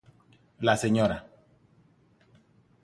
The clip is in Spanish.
La sra.